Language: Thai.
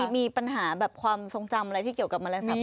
มีปัญหาแบบความทรงจำอะไรที่เกี่ยวกับมะแรงสาบบินได้